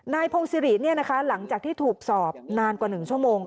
นายพงศิรินี่นะคะหลังจากที่ถูกสอบนานกว่า๑ชั่วโมง